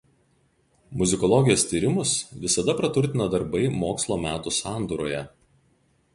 Muzikologijos tyrimus visada praturtina darbai mokslo metų sandūroje.